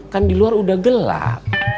kan di luar udah gelap